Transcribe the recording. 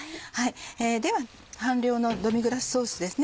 では半量のドミグラスソースですね